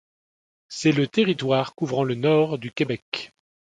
C’est le territoire couvrant le nord du Québec.